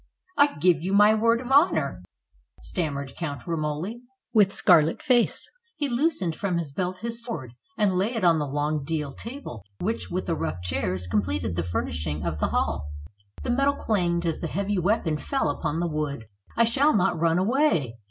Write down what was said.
"I give you my word of honor," stammered Count Romoli, with scarlet face. He loosened from his belt his sword and laid it on the long deal table, which with the rough chairs completed the furnishing of the hall. The metal clanged as the heavy weapon fell upon the wood. "I shall not run away."